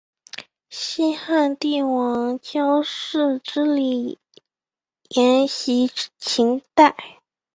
西汉帝王郊祀之礼沿袭秦代。